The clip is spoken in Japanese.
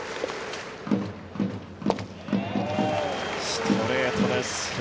ストレートです。